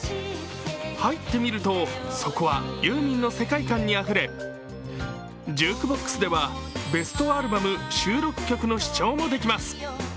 入ってみると、そこはユーミンの世界観にあふれジュークボックスではベストアルバム収録曲の視聴もできます。